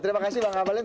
terima kasih bang abang